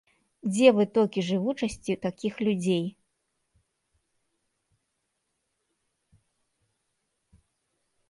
Дзе вытокі жывучасці такіх людзей?